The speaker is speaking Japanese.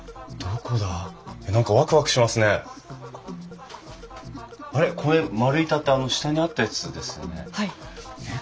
これ丸板ってあの下にあったやつですよね？